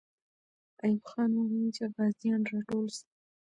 ایوب خان وویل چې غازیان راټول سي.